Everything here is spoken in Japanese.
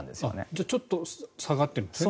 じゃあちょっと下がってるんですね